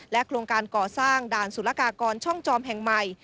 โครงการก่อสร้างด่านสุรกากรช่องจอมแห่งใหม่